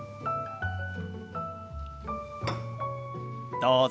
どうぞ。